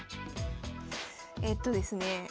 えっとですね